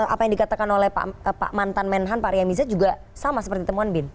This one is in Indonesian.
apa yang dikatakan oleh pak matan menhan pak riamiza juga sama seperti temuan bin